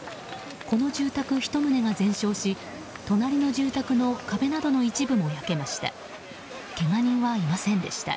この住宅１棟が全焼し隣の住宅の壁などの一部も焼けました。